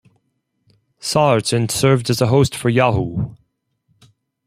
Sargent served as a host for Yahoo!